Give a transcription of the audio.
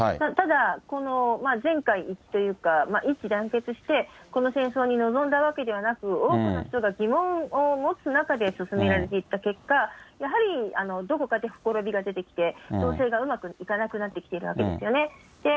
ただ、この前回、というか、一致団結して、この戦争に臨んだわけではなく、多くの人が疑問を持つ中で進められていった結果、やはりどこかでほころびが出てきて、調整がうまくいかなくなってきているわけですよね。